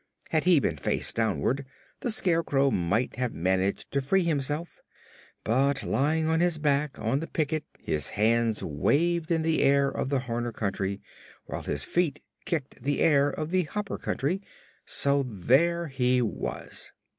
Had he been face downward the Scarecrow might have managed to free himself, but lying on his back on the picket his hands waved in the air of the Horner Country while his feet kicked the air of the Hopper Country; so there he was.